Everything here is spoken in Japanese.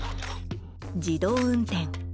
自動運転。